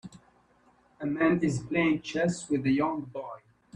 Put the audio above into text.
A man is playing chess with a young boy.